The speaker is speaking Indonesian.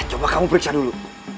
coba kamu periksa dulu